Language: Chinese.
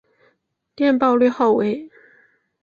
电报略号为。